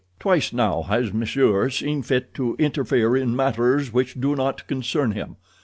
"Twice now has monsieur seen fit to interfere in matters which do not concern him.